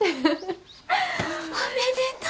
おめでとう！